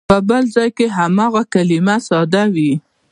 په بل ځای کې هماغه کلمه ساده وي.